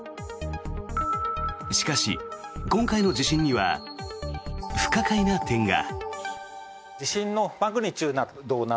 しかし今回の地震には不可解な点が。